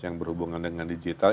yang berhubungan dengan digital